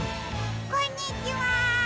こんにちは。